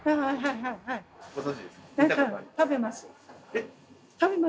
ご存じですか？